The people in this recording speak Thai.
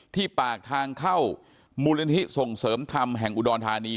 ที่ปากทางเข้ามูลยนต์ที่ส่งเสริมคำแห่งอุดรธานี